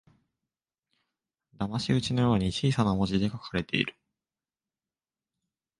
だまし討ちのように小さな文字で書かれている